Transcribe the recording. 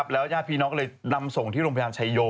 แล้วญาติพี่น้องก็เลยนำส่งที่โรงพยาบาลชายโย